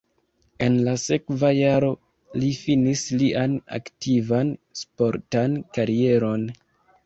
En la sekva jaro li finis lian aktivan sportan karieron.